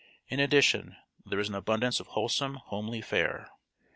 In addition there was an abundance of wholesome, homely fare.